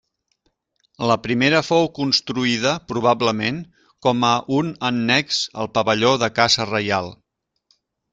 La primera fou construïda probablement com a un annex al pavelló de caça reial.